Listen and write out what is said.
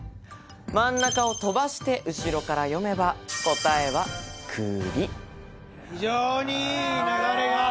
真ん中を飛ばして後ろから読めば答えは栗非常にいい流れがクソ！